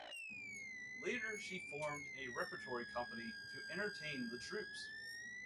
Later she formed a repertory company to entertain the troops.